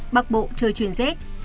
bắc bộ trời chuyển rét